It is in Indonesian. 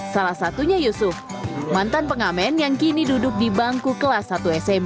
salah satunya yusuf mantan pengamen yang kini duduk di bangku kelas satu smp